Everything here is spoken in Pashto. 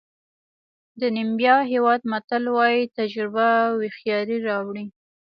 د نیمبیا هېواد متل وایي تجربه هوښیاري راوړي.